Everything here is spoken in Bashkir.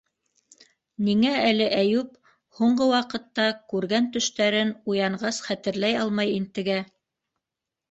Ниңә әле Әйүп һуңғы ваҡытта күргән төштәрен уянғас хәтерләй алмай интегә?